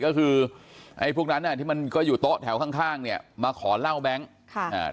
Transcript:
ก็คือพวกนั้นที่มันก็อยู่โต๊ะแถวข้างมาขอเล่าแบงก์